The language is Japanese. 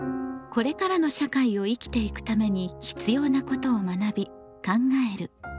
これからの社会を生きていくために必要なことを学び考える「公共」。